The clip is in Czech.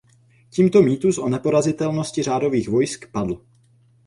Tímto mýtus o neporazitelnosti řádových vojsk padl.